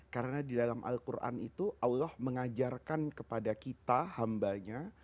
karena di dalam al quran itu allah mengajarkan kepada kita hambanya